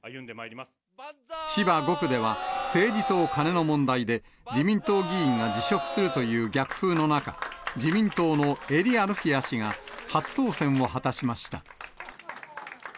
千葉５区では、政治とカネの問題で、自民党議員が辞職するという逆風の中、自民党の英利アルフィヤ氏が初当選を果たしました。